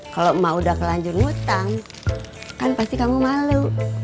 kalau emak udah kelanjur ngutang kan pasti kamu malu